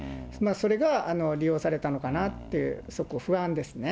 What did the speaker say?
それが利用されたのかなという、不安ですね。